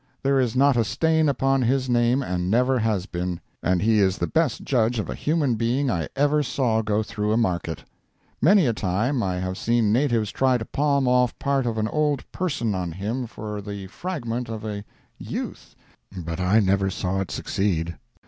There is not a stain upon his name, and never has been. And he is the best judge of a human being I ever saw go through a market. Many a time I have seen natives try to palm off part of an old person on him for the fragment of a youth, but I never saw it succeed.